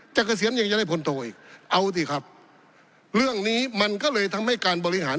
เกษียณยังจะได้พลโทอีกเอาสิครับเรื่องนี้มันก็เลยทำให้การบริหาร